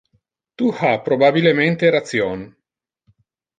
Tu ha probabilemente ration.